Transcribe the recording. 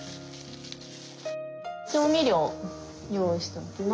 調味料を用意しておきます。